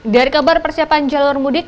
dari kabar persiapan jalur mudik